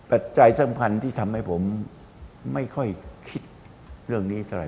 ปัจจัยสำคัญที่ทำให้ผมไม่ค่อยคิดเรื่องนี้เท่าไห